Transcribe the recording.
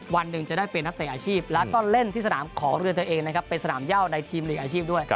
วันหนึ่งจะได้เป็นนักเตะอาชีพแล้วก็เล่นที่สนามของเรือนตัวเองนะครับเป็นสนามย่าวในทีมหลีกอาชีพด้วย